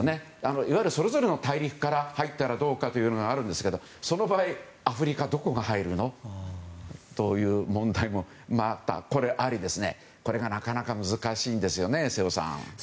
いわゆるそれぞれの大陸から入ったらどうかというのはあるんですけどその場合、アフリカどこに入るのという問題もこれは、またあってこれがなかなか難しいんですね瀬尾さん。